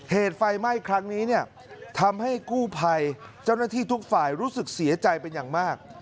เหตุไฟไหม้ครั้งนี้เนี่ยทำให้กู้ภัยเจ้าหน้าที่ทุกฝ่ายรู้สึกเสียใจเป็นอย่างมาก